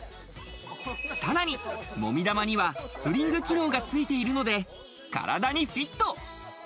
さらに揉み玉にはスプリング機能がついているので体にフィット。